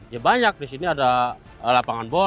ya banyak di sini ada lapangan bola